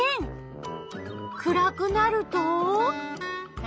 暗くなると？